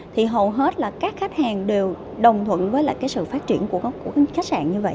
thì hầu hết là các khách hàng đều đồng thuận với sự phát triển của khách sạn như vậy